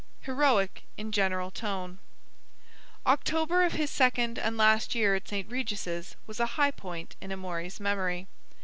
HEROIC IN GENERAL TONE October of his second and last year at St. Regis' was a high point in Amory's memory.